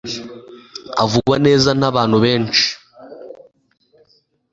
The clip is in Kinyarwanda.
avugwa neza nabantu benshi